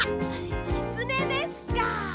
きつねですか。